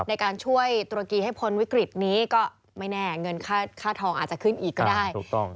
ในการช่วยตุรกีให้พ้นวิกฤตนี้ก็ไม่แน่เงินค่าทองอาจจะขึ้นอีกก็ได้